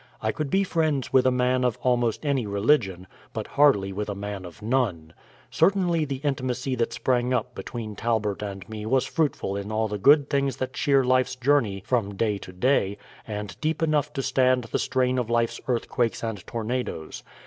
I could be friends with a man of almost any religion, but hardly with a man of none. Certainly the intimacy that sprang up between Talbert and me was fruitful in all the good things that cheer life's journey from day to day, and deep enough to stand the strain of life's earthquakes and tornadoes.